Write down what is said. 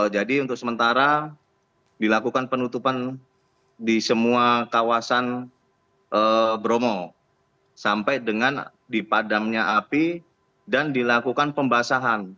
jadi untuk sementara dilakukan penutupan di semua kawasan bromo sampai dengan dipadamnya api dan dilakukan pembasahan